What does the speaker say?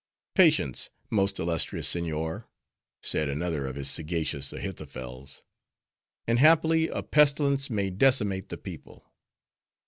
"Patience, most illustrious seignior," said another of his sagacious Ahithophels, "and haply a pestilence may decimate the people."